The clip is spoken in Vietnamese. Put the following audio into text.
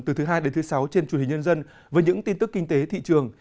từ thứ hai đến thứ sáu trên chủ nhật nhân dân với những tin tức kinh tế thị trường